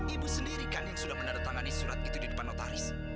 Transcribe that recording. ibu sendiri kan yang sudah menandatangani surat itu di depan notaris